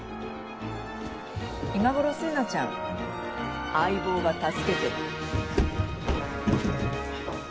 今頃星名ちゃん相棒が助けてる。